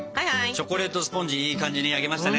チョコレートスポンジいい感じに焼けましたね。